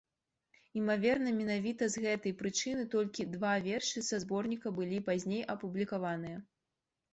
Імаверна, менавіта з гэтай прычыны толькі два вершы са зборніка былі пазней апублікаваныя.